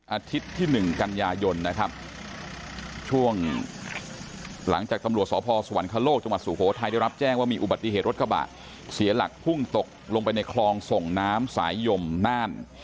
อาทิตย์ที่๑กันยายนนะครับช่วงหลังจากตำรวจสพสวรรคโลกจังหวัดสุโขทัยได้รับแจ้งว่ามีอุบัติเหตุรถกระบะเสียหลักพุ่งตกลงไปในคลองส่งน้ำสายยมน่าน